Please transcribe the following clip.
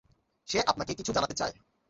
সে আপনাকে কিছু জানাতে চায়।